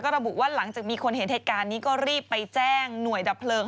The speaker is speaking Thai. ระบุว่าหลังจากมีคนเห็นเหตุการณ์นี้ก็รีบไปแจ้งหน่วยดับเพลิง